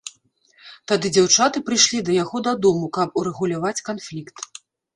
Тады дзяўчаты прыйшлі да яго дадому, каб урэгуляваць канфлікт.